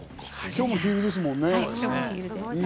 今日もヒールですもんね。